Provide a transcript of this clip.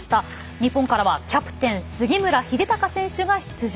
日本からはキャプテン杉村英孝選手が出場。